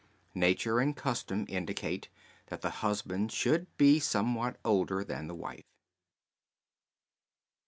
Nature and custom indicate that the husband should be somewhat older than the wife.